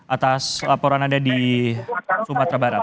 atas laporan anda di sumatera barat